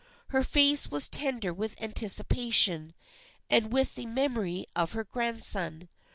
Her face was tender with anticipation, and with the memory of her grandson.